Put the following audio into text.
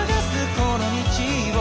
この道を」